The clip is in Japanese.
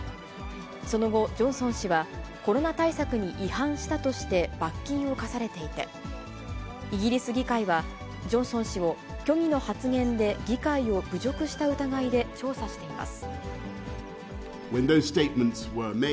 その後、ジョンソン氏は、コロナ対策に違反したとして罰金を科されていて、イギリス議会は、ジョンソン氏を虚偽の発言で議会を侮辱した疑いで調査しています。